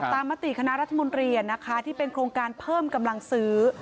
มติคณะรัฐมนตรีนะคะที่เป็นโครงการเพิ่มกำลังซื้อ